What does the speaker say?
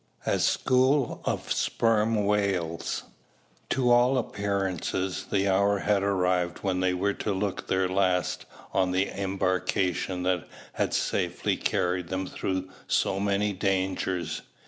A "SCHOOL" OF SPERM WHALES. To all appearance the hour had arrived when they were to look their last on the embarkation that had safely carried them through so many dangers.